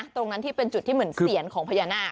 ตรงนั้นที่เป็นจุดที่เหมือนเสียนของพญานาค